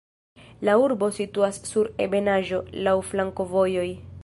La urbo situas sur ebenaĵo, laŭ flankovojoj.